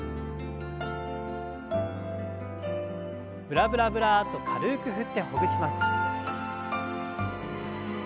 ブラブラブラッと軽く振ってほぐします。